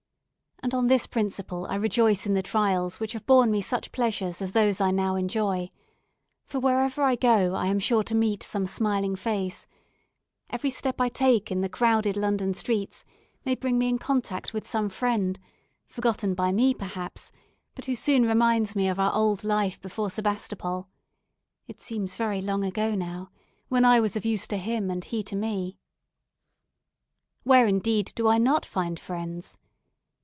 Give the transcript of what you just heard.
And on this principle I rejoice in the trials which have borne me such pleasures as those I now enjoy, for wherever I go I am sure to meet some smiling face; every step I take in the crowded London streets may bring me in contact with some friend, forgotten by me, perhaps, but who soon reminds me of our old life before Sebastopol; it seems very long ago now, when I was of use to him and he to me. Where, indeed, do I not find friends.